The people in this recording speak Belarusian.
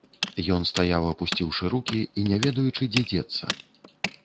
Ён стаяў апусціўшы рукі і не ведаючы, дзе дзецца.